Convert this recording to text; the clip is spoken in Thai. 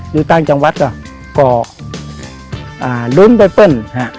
อยู่ต่างจังหวัดก็รุ่นด้วยเพลิน